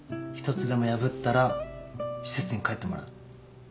１つでも破ったら施設に帰ってもらう。